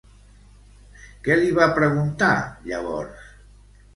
Què li va preguntar, llavors?